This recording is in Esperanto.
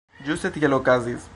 Ĝuste tiel okazis.